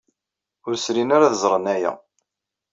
Ur srin ara ad ẓren aya.